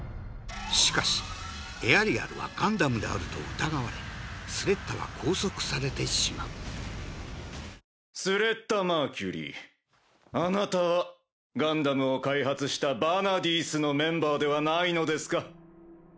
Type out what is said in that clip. しかしエアリアルはガンダムであると疑われスレッタは拘束されてしまうスレッタ・マーキュリーあなたはガンダムを開発したヴァナディースのメンバーではないのですか？